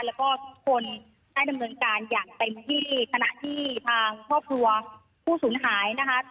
แล้วก็ทุกคนได้ดำเนินการอย่างเต็มที่ขณะที่ทางครอบครัวผู้สูญหายนะคะ